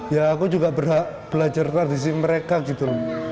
ya aku juga berhak belajar tradisi mereka gitu loh